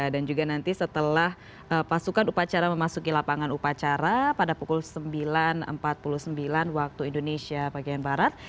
dan juga nanti setelah pasukan upacara memasuki lapangan upacara pada pukul sembilan empat puluh sembilan waktu indonesia bagian barat